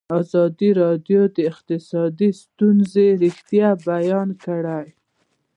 ازادي راډیو د اقتصاد د ستونزو رېښه بیان کړې.